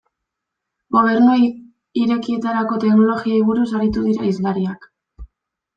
Gobernu Irekietarako teknologiei buruz aritu dira hizlariak.